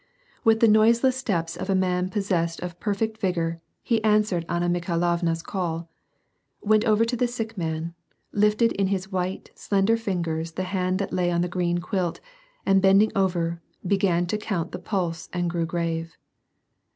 With the noiseless steps of a man possessed of perfect vigor he answered Anna Mikhai loTna's call, went over to the sick man, lifted in his white, slender iingers the hand that lay on the green quilt, and bending over, began to count the pulse and grew grave.